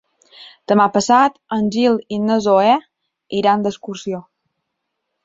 Demà passat en Gil i na Zoè iran d'excursió.